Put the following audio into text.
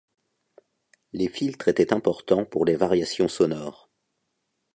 Les filtres étaient importants pour les variations sonores.